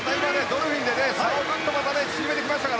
ドルフィンで差をぐっと縮めてきました。